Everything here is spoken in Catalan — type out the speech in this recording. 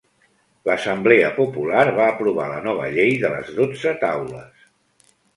L'assemblea popular va aprovar la nova Llei de les dotze taules.